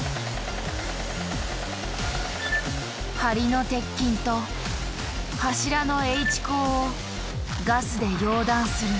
梁の鉄筋と柱のＨ鋼をガスで溶断する。